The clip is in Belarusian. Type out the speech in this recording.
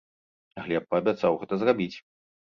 Глеб паабяцаў гэта зрабіць.